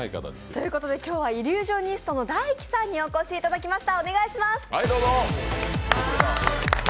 今日はイリュージョニストのＤＡＩＫＩさんにお越しいただきました。